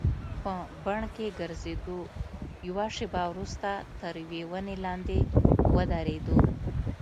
په بڼ کې ګرځېدو، یوه شیبه وروسته تر یوې ونې لاندې ودریدو.